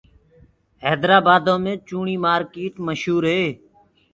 هيدرآ بآدو مي چوڙي مآرڪيٽ مشور هي۔